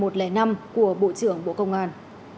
của bộ trưởng bộ công an